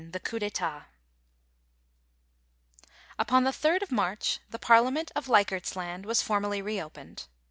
THE COUP d'etat. Upon the 3rd of March the Parliament of Leichardt's I^nd was formally reopened.